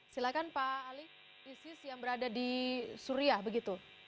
silakan pak ali isis yang berada di syria begitu